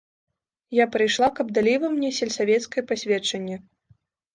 Я прыйшла, каб далі вы мне сельсавецкае пасведчанне.